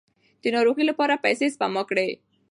د ناروغۍ لپاره پیسې سپما کړئ.